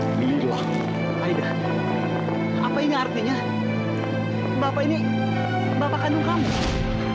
bapak ini bapak kandung kamu